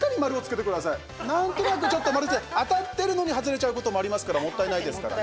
なんとなく、ちょっと丸じゃ当たってるのに外れちゃうこともありますからもったいないですからね。